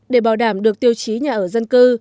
để bảo đảm được tiêu chí nhà ở dân cư